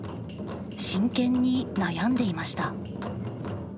真剣に悩んでいました。